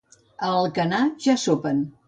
A Alcanar ja sopen.